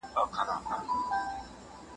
ولي محنتي ځوان د ذهین سړي په پرتله ښه ځلېږي؟